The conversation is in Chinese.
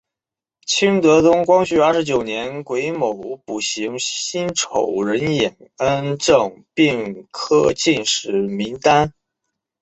清德宗光绪二十九年癸卯补行辛丑壬寅恩正并科进士名单。